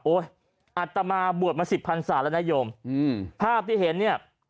โอ๊ยอัตมาบวชมา๑๐๐๐๐ศาลนโยมภาพที่เห็นเนี่ย